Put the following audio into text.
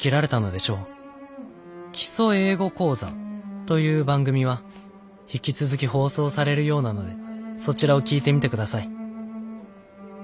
『基礎英語講座』という番組は引き続き放送されるようなのでそちらを聴いてみてください」。